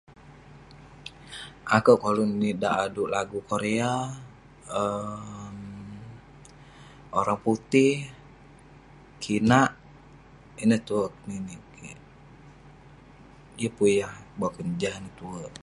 Akouk koluk ninik dauk aduk lagu ireh korea, um oraputih, kinak. Ineh tue keninik kik. Yeng pun yah boken, jah ineh tue.